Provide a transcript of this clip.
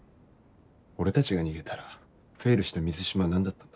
俺たちが逃げたらフェイルした水島は何だったんだ。